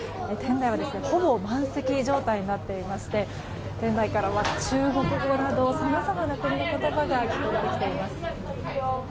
店内はほぼ満席状態になっていまして店内からは中国語などさまざまな国の言葉が聞こえてきています。